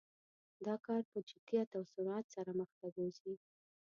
دا کار په جدیت او سرعت سره مخ ته بوزي.